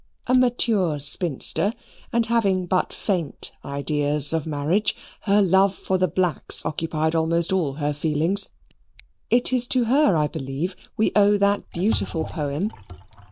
A mature spinster, and having but faint ideas of marriage, her love for the blacks occupied almost all her feelings. It is to her, I believe, we owe that beautiful poem.